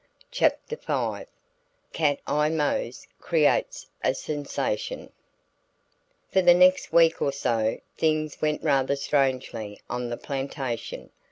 CHAPTER V CAT EYE MOSE CREATES A SENSATION For the next week or so things went rather strangely on the plantation.